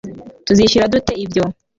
Tuzishyura dute ibyo